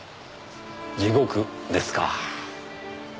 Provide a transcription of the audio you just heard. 地獄ですか。